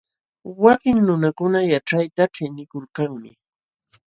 Wakin nunakuna yaćhayta ćhiqnikulkanmi.